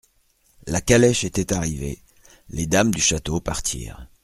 La calèche était arrivée ; les dames du château partirent.